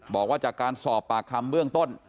บอกว่าจากการสอบปากคำเบื้องต้น